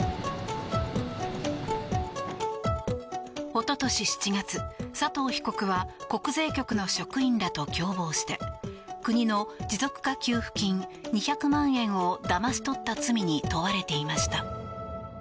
おととし７月、佐藤被告は国税局の職員らと共謀して国の持続化給付金２００万円をだまし取った罪に問われていました。